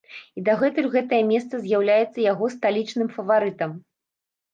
І дагэтуль гэтае месца з'яўляецца яго сталічным фаварытам.